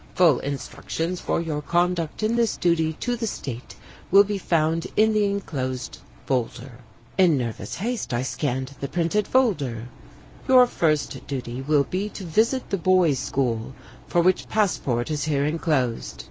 Full instructions for your conduct in this duty to the State will be found in the enclosed folder." In nervous haste I scanned the printed folder: "Your first duty will be to visit the boys' school for which passport is here enclosed.